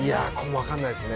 分からないですね。